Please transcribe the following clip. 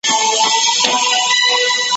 چاره څه ده بس زموږ دغه زندګي ده `